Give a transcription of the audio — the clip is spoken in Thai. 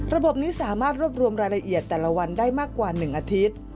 ระบบนี้สามารถรวบรวมรายละเอียดแต่ละวันได้มากกว่า๑อาทิตย์